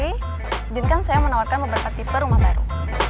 izinkan saya menawarkan beberapa tipe rumah baru